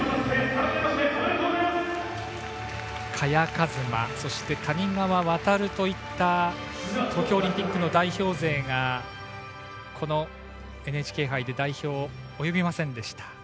萱和磨、そして谷川航といった東京オリンピックの代表勢がこのＮＨＫ杯で代表には及びませんでした。